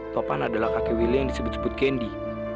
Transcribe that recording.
topan adalah kakek will yang disebut sebut kendi